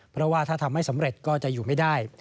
เพราะว่าถ้าทำไม่สำเร็จก็จะอยู่ไม่ได้